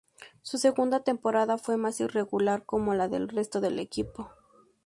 Su segunda temporada fue más irregular, como la del resto del equipo.